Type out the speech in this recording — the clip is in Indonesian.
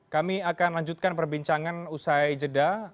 kami akan lanjutkan perbincangan usai jeda